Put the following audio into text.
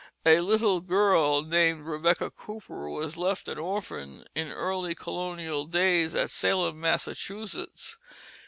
A little girl named Rebecca Cooper was left an orphan in early colonial days at Salem, Massachusetts.